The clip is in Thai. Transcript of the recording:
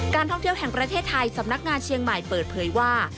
ท่องเที่ยวแห่งประเทศไทยสำนักงานเชียงใหม่เปิดเผยว่า